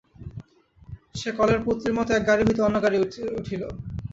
সে কলের পুতলির মতো এক গাড়ি হইতে অন্য গাড়ি উঠিল।